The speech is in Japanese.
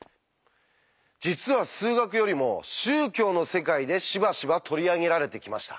実は数学よりも宗教の世界でしばしば取り上げられてきました。